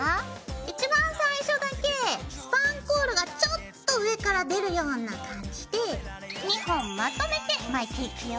一番最初だけスパンコールがちょっと上から出るような感じで２本まとめて巻いていくよ。